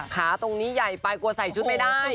ขาตรงนี้ใหญ่ไปกลัวใส่ชุดไม่ได้